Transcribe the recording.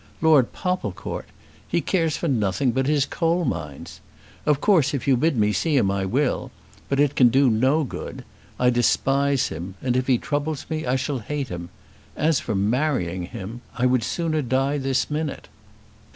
Lord Popplecourt! He cares for nothing but his coal mines. Of course, if you bid me see him I will; but it can do no good. I despise him, and if he troubles me I shall hate him. As for marrying him, I would sooner die this minute."